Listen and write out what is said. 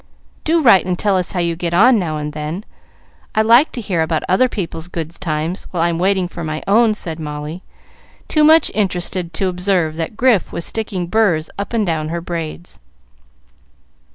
"Do write and tell us how you get on now and then; I like to hear about other people's good times while I'm waiting for my own," said Molly, too much interested to observe that Grif was sticking burrs up and down her braids.